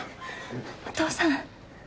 お父さん